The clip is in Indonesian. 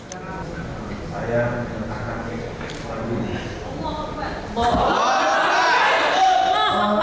saya menuntut alfian